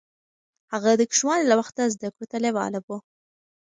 هغه د کوچنيوالي له وخته زده کړو ته لېواله و.